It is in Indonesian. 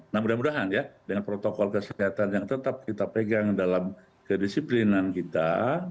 nah mudah mudahan ya dengan protokol kesehatan yang tetap kita pegang dalam kedisiplinan kita